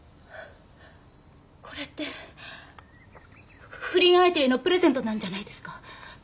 これって不倫相手へのプレゼントなんじゃないですか？